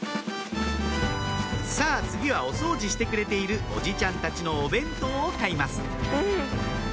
さぁ次はお掃除してくれているおじちゃんたちのお弁当を買います